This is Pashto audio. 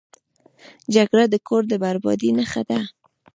جګړه د کور د بربادۍ نښه ده